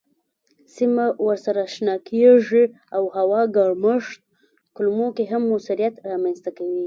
سیمه ورسره شنه کیږي او هوا ګرمښت کمولو کې هم موثریت رامنځ کوي.